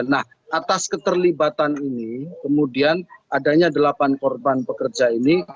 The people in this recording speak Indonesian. nah atas keterlibatan ini kemudian adanya delapan korban pekerja ini